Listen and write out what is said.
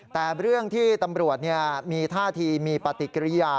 แต่เรื่องที่ตำรวจมีท่าทีมีปฏิกิริยา